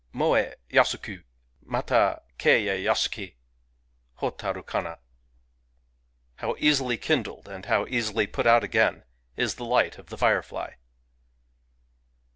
Moe yasuku, Mata keye yasuki, Hotaru kana ! How easily kindled, and how easily put out again, is the light of the firefly